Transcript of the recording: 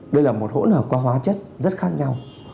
đây là một hỗn hợp có hóa chất rất khác nhau